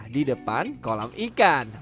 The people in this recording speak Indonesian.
di depan kolam ikan